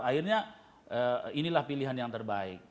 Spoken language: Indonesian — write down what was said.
akhirnya inilah pilihan yang terbaik